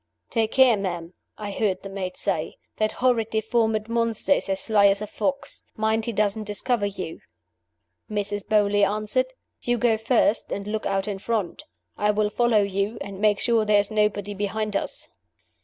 'Take care, ma'am,' I heard the maid say; 'that horrid deformed monster is as sly as a fox. Mind he doesn't discover you.' Mrs. Beauly answered, 'You go first, and look out in front; I will follow you, and make sure there is nobody behind us.